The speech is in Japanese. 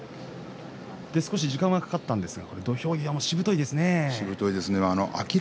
少し時間はかかりましたけど土俵際もしぶといですね。